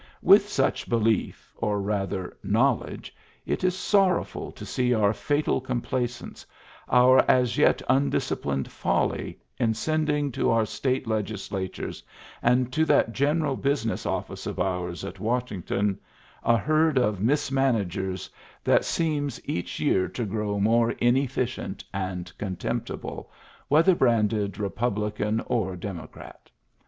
With such belief, or, rather, knowledge, it is sorrowful to see our fatal complacence, our as yet undisciplined folly, in sending to our State Legislatures and to that general business office of ours at Washington, a herd of mismanagers that seems each year Digitized by Google 12 PREFACE to grow more inefficient and contemptible, whether branded Republican or Democrat.